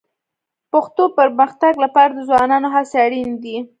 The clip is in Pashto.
پښتو پرمختګ لپاره د ځوانانو هڅې اړیني دي